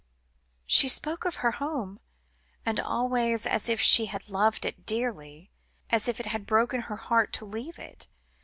"She spoke of her home, and always as if she had loved it dearly, as if it had broken her heart to leave it.